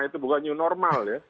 itu bukan new normal ya